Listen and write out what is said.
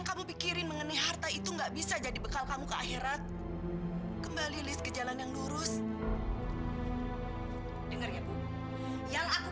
sampai jumpa di video selanjutnya